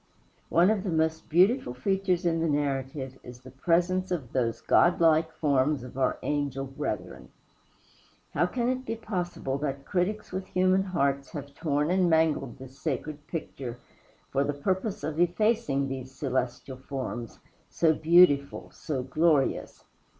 One of the most beautiful features in the narrative is the presence of those godlike forms of our angel brethren. How can it be possible that critics with human hearts have torn and mangled this sacred picture for the purpose of effacing these celestial forms so beautiful, so glorious!